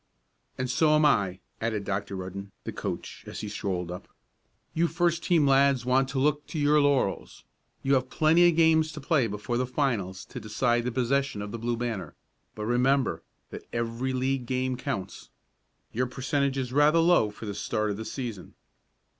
"And so am I," added Dr. Rudden, the coach, as he strolled up. "You first team lads want to look to your laurels. You have plenty of games to play before the finals to decide the possession of the Blue Banner, but remember that every league game counts. Your percentage is rather low for the start of the season."